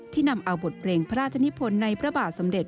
นำเอาบทเพลงพระราชนิพลในพระบาทสมเด็จ